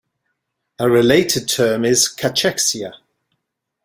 A related term is cachexia.